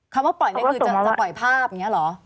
ว่าปล่อยนี่คือจะปล่อยภาพอย่างนี้เหรอ